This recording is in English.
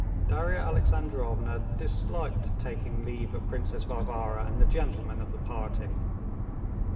Darya Alexandrovna disliked taking leave of Princess Varvara and the gentlemen of the party.